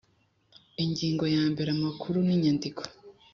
Ingingo ya mbere Amakuru n inyandiko